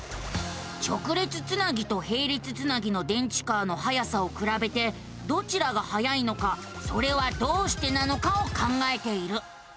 直列つなぎとへい列つなぎの電池カーのはやさをくらべてどちらがはやいのかそれはどうしてなのかを考えている。